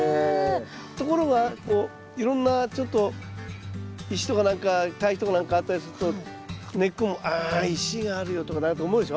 ところがこういろんなちょっと石とか何か堆肥とか何かあったりすると根っこもあ石があるよとか思うでしょ。